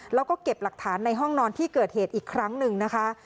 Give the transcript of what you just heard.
แล้วก็เก็บหลักฐานในห้องนอนที่เกิดเหตุอีกครั้งหนึ่งนะคะ